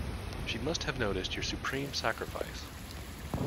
She must have noticed your supreme sacrifice.